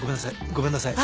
ごめんなさい。